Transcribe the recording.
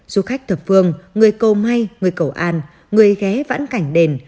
du khách thập phương người cầu may người cầu an người ghé vãn cảnh đền